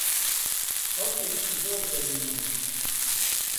خەڵکێکی زۆر دەبینم.